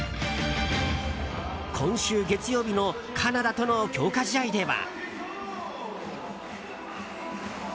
今週月曜日のカナダとの強化試合では。